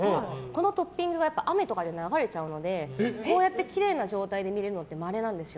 このトッピングが雨とかで流れちゃうのでこうやってきれいな状態で見れるのって、まれなんですよ。